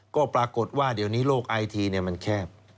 ก็ปรากฏว่าเดี๋ยวนี้โลกไอทีมันแคบ